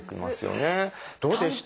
どうでした？